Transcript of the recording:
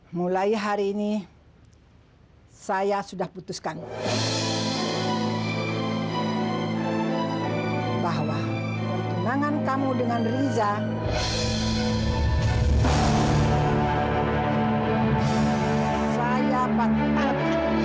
mulai hari ini saya sudah putuskan bahwa nangan kamu dengan riza saya patut